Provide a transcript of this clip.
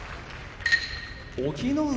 隠岐の海